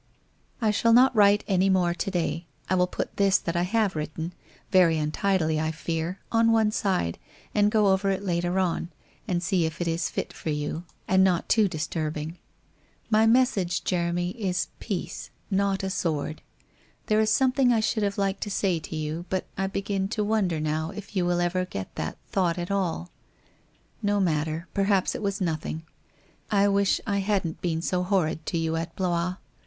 I shall not write any more to day, I will put this that I have written, very untidily, I fear, on one side, and go over it later on, and sec if it i.i lit for you and not too 27 418 WHITE ROSE OF WEARY LEAF disturbing. My message, Jeremy, is peace, not a sword. There is something I should have liked to say to you, but I begin to wonder now if you will ever get that thought at all ? No matter, perhaps it was nothing. I wish I hadn't been so horrid to you at Blois.